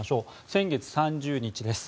先月３０日です。